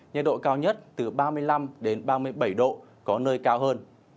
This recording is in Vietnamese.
nhiệt độ cao nhất từ ba mươi năm ba mươi bảy độ có nơi cao hơn